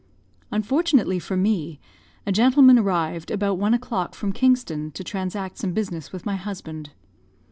Unfortunately for me, a gentlemen arrived about one o'clock from Kingston, to transact some business with my husband.